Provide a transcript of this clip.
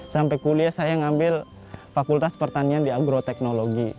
sampai kuliah saya ngambil fakultas pertanian di agroteknologi